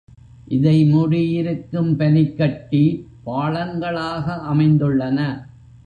இதை மூடியிருக்கும் பனிக்கட்டி, பாளங்களாக அமைந்துள்ளன.